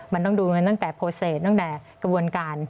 มันต้องดูกันตั้งแต่โปรเศษตั้งแต่กระบวนการ